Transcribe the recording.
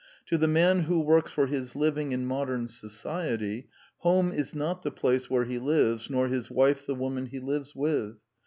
To the man who works for his living in modern society home is not the place where he lives, nor his wife the woman he lives with.